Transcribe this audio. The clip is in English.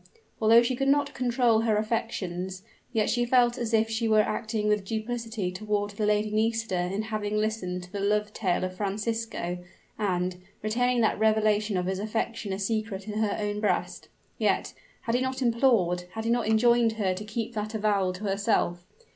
Although she could not control her affections, yet she felt as if she were acting with duplicity toward the Lady Nisida in having listened to the love tale of Francisco, and, retaining that revelation of his affection a secret in her own breast. Yet had he not implored, had he not enjoined her to keep that avowal to herself?